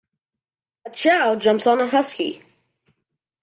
A chow jumps on a huskey.